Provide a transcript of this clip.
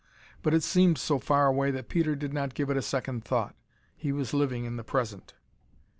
But it seemed so far away that Peter did not give it a second thought. He was living in the present.